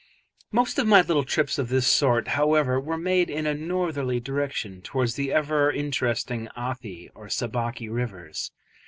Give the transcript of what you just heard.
Most of my little trips of this sort, however, were made in a northerly direction, towards the ever interesting Athi or Sabaki rivers.